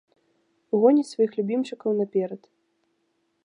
Гоняць сваіх любімчыкаў наперад.